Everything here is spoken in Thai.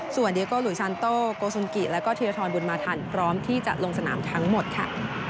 ส่วนเดียโกหลุยซานโตโกสุนกิแล้วก็เทียทรบุญมาทันพร้อมที่จะลงสนามทั้งหมดค่ะ